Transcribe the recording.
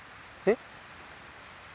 えっ？